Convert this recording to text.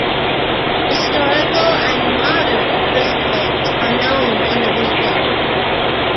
Historical and modern earthquakes are known in the region.